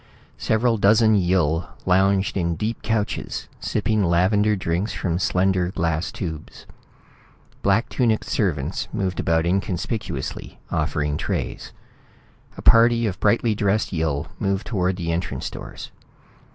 Several dozen Yill lounged in deep couches, sipping lavender drinks from slender glass tubes. Black tunicked servants moved about inconspicuously, offering trays. A party of brightly dressed Yill moved toward the entrance doors.